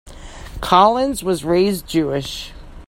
Collins was raised Jewish.